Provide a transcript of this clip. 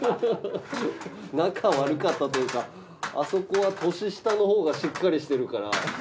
仲悪かったというかあそこは年下のほうがしっかりしてるから。